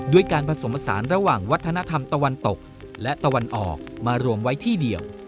ด้วยการผสมผสานระหว่างวัฒนธรรมตะวันตกและตะวันออกมารวมไว้ที่เดียว